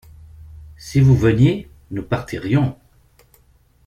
Si vous veniez, nous partirions.